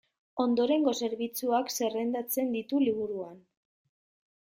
Ondorengo zerbitzuak zerrendatzen ditu liburuan.